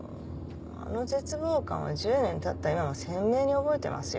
あの絶望感は１０年経った今も鮮明に覚えてますよ。